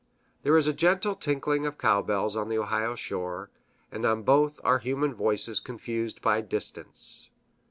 There is a gentle tinkling of cowbells on the Ohio shore, and on both are human voices confused by distance.